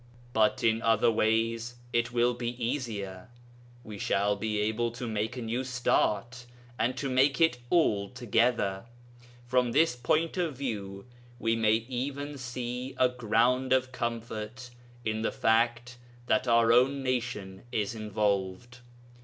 But in other ways it will be easier. We shall be able to make a new start, and to make it all together. From this point of view we may even see a ground of comfort in the fact that our own nation is involved.